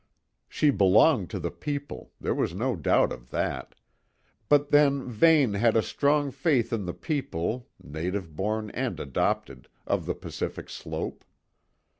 She belonged to the people there was no doubt of that; but then Vane had a strong faith in the people, native born and adopted, of the Pacific slope.